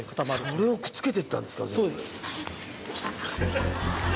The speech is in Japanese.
それをくっつけてったんですか？